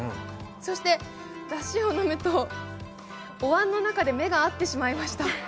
そしてだしを飲むとお椀の中で目が合ってしまいました。